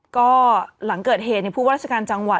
ก็หลังเกิดเหตุผู้ว่าราชการจังหวัด